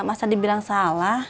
masa dibilang salah